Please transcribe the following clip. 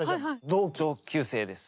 同級生です。